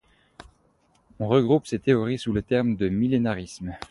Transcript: On regroupe ces théories sous le terme de millénarisme.